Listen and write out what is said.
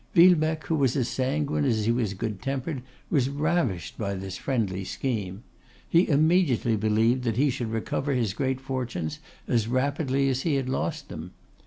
Villebecque, who was as sanguine as he was good tempered, was ravished by this friendly scheme. He immediately believed that he should recover his great fortunes as rapidly as he had lost them.